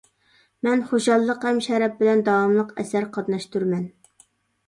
مەن خۇشاللىق ھەم شەرەپ بىلەن داۋاملىق ئەسەر قاتناشتۇرىمەن.